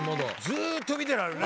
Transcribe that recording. ずっと見てられるね。